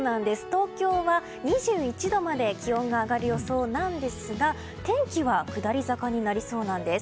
東京は２１度まで気温が上がる予想なんですが天気は下り坂になりそうなんです。